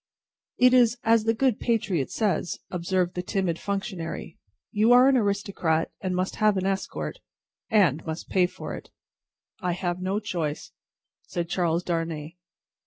"It is as the good patriot says," observed the timid functionary. "You are an aristocrat, and must have an escort and must pay for it." "I have no choice," said Charles Darnay.